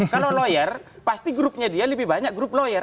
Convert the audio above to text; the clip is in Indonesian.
kalau lawyer pasti grupnya dia lebih banyak grup lawyer